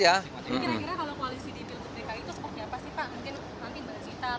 kira kira kalau koalisi di pilkada jakarta itu seperti apa sih pak